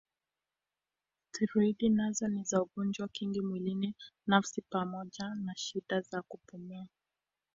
Steroidi nazo ni za ugonjwa kinga mwili nafsi pamoja na shida za kupumua.